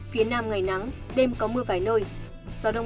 phía nam ngày nắng đêm có mưa vài nơi có rông